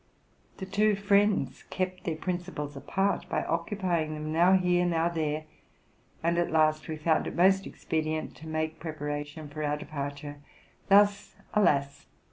The two friends kept their principals apart by occupying them, now here, now there, and at last we found it most expedient to make preparation for departure. Thus, alas!